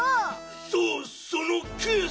そそのケースを。